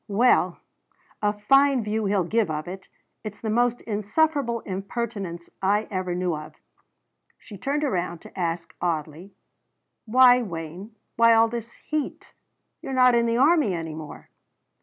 "Well a fine view he'll give of it! It's the most insufferable impertinence I ever knew of!" She turned around to ask oddly: "Why, Wayne, why all this heat? You're not in the army any more."